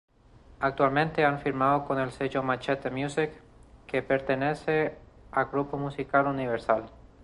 Actualmente han firmado con el sello Machete Music, que pertenece a grupo musical Universal.